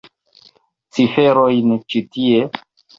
Ciferojn ĉi tie?